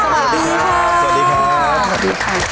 สวัสดีค่ะ